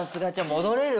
戻れる？